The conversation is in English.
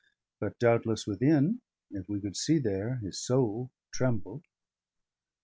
But doubtless within, if we could see there, his soul trembled.